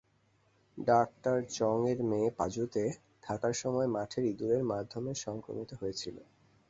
ডাঃ জংয়ের মেয়ে পাজুতে, থাকার সময় মাঠের ইঁদুরের মাধ্যমে সংক্রমিত হয়েছিল।